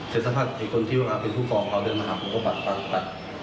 เสร็จสักพักคนที่ว่าเป็นผู้กองเขาเดินมาหาผมก็ปัดปัดปัด